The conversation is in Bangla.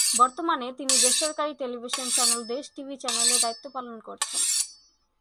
বর্তমানে তিনি বেসরকারি টেলিভিশন চ্যানেল দেশ টিভি চ্যানেলে দায়িত্ব পালন করছেন।